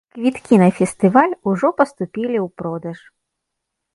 Квіткі на фестываль ужо паступілі ў продаж.